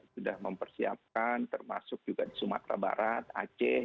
sudah mempersiapkan termasuk juga di sumatera barat aceh